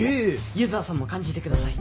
柚子葉さんも感じてください